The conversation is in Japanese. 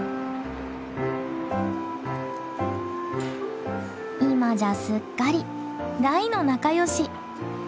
今じゃすっかり大の仲よし。